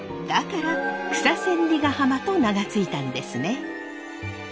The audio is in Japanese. だから草千里ヶ浜と名が付いたんですね。